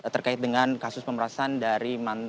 terkait dengan kasus pemerasan dari